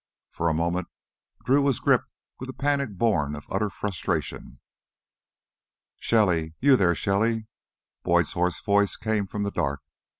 For a moment Drew was gripped with a panic born of utter frustration. "Shelly? You there, Shelly?" Boyd's hoarse voice came from the dark.